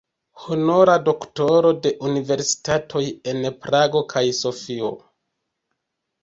Honora doktoro de universitatoj en Prago kaj Sofio.